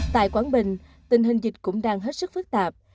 tại quảng bình tình hình dịch cũng đang hết sức phức tạp